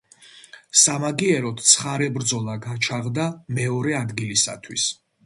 სამაგიეროდ ცხარე ბრძოლა გაჩაღდა მეორე ადგილისათვის.